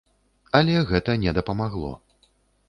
Але гэта не дапамагло!